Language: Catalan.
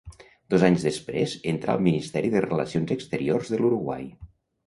Dos anys després entrà al Ministeri de Relacions Exteriors de l'Uruguai.